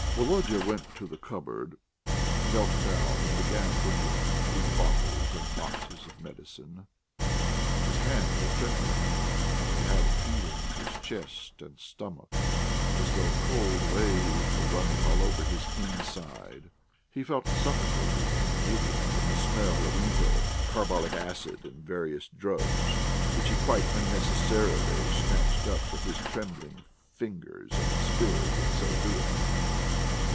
Volodya went to the cupboard, knelt down, and began looking through the bottles and boxes of medicine. His hands were trembling, and he had a feeling in his chest and stomach as though cold waves were running all over his inside. He felt suffocated and giddy from the smell of ether, carbolic acid, and various drugs, which he quite unnecessarily snatched up with his trembling fingers and spilled in so doing.